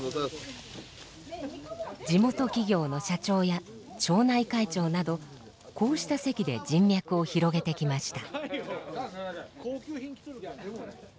地元企業の社長や町内会長などこうした席で人脈を広げてきました。